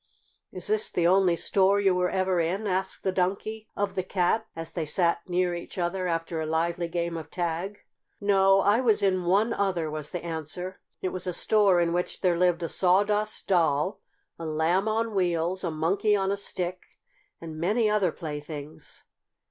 "Is this the only store you were ever in?" asked the Donkey of the Cat, as they sat near each other after a lively game of tag. "No, I was in one other," was the answer. "It was a store in which there lived a Sawdust Doll, a Lamb on Wheels, a Monkey on a Stick and many other playthings."